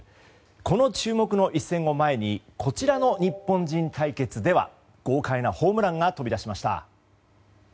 この注目の一戦を前にこちらの日本人対決では豪快なホームランが飛び出しました。